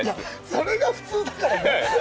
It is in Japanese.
それが普通だからね。